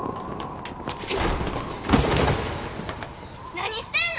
何してんの！